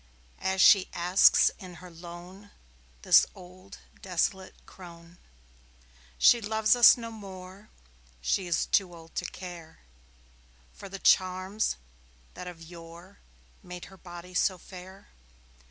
As she asks in her lone, This old, desolate crone. She loves us no more; She is too old to care For the charms that of yore Made her body so fair.